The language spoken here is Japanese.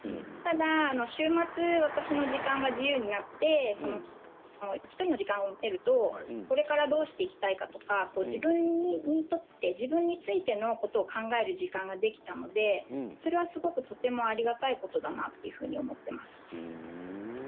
ただ週末、私の時間が自由になって１人の時間を持てるとこれからどうしていきたいかとか自分にとって、自分についてのことを考える時間ができたのでそれはすごくありがたいことだなと思っています。